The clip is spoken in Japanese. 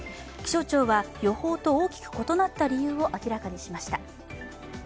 気象庁は、予報と大きく異なった理由を明らかにしました。